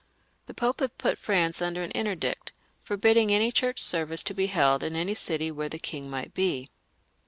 The Pope had put France under an interdict, forbidding any church service to beheld in any city where the king might be.